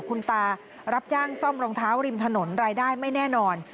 คุณตารับจ้างซ่อมรองเท้าริมถนนรายได้ไม่แน่นอน